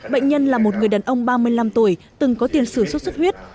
bệnh nhân là một người đàn ông ba mươi năm tuổi từng có tiền sửa sốt sức huyết